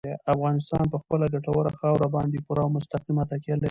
افغانستان په خپله ګټوره خاوره باندې پوره او مستقیمه تکیه لري.